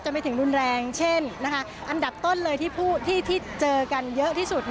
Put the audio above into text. ไม่ถึงรุนแรงเช่นอันดับต้นเลยที่เจอกันเยอะที่สุด